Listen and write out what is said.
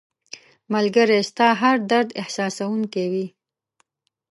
ملګری ستا هر درد احساسوونکی وي